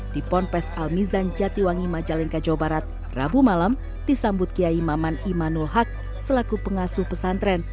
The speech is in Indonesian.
di ponpes al mizan jatiwangi majalengka jawa barat rabu malam disambut kiai maman imanul haq selaku pengasuh pesantren